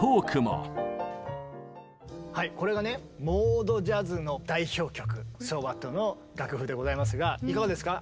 これがねモード・ジャズの代表曲「ＳｏＷｈａｔ」の楽譜でございますがいかがですか？